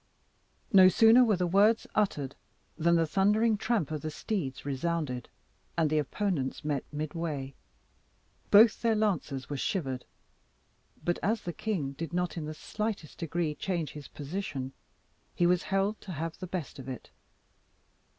No sooner were the words uttered, than the thundering tramp of the steeds resounded, and the opponents met midway. Both their lances were shivered; but as the king did not, in the slightest degree, change his position, he was held to have the best of it.